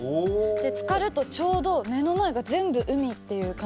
つかるとちょうど目の前が全部海っていう感じになって。